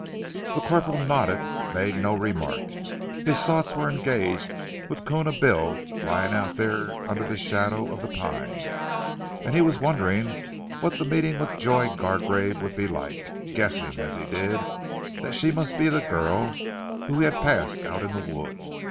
The corporal nodded, but made no remark. His thoughts were engaged with Koona Bill lying out there under the shadow of the pines, and he was wondering what the meeting with Joy Gargrave would be like, guessing as he did that she must be the girl who had passed him out in the wood.